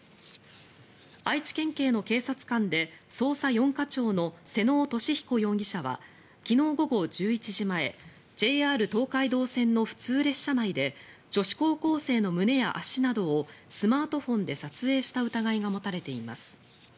愛知県警の警察官で捜査４課長の妹尾利彦容疑者は昨日午後１１時前ＪＲ東海道線の普通列車内で女子高校生の胸や足などをスマートフォンで撮影した疑いが持たれています。